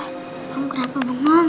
kamu kenapa bengong